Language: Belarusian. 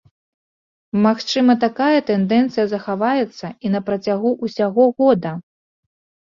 Магчыма, такая тэндэнцыя захаваецца і на працягу ўсяго года.